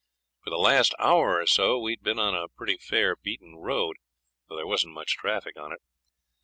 For the last hour or so we had been on a pretty fair beaten road, though there wasn't much traffic on it.